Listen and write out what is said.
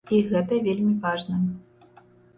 І гэта вельмі важна.